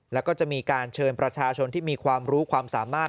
แล้วก็จะมีการเชิญประชาชนที่มีความรู้ความสามารถ